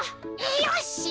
よし！